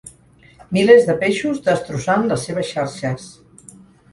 Milers de peixos, destrossant les seves xarxes.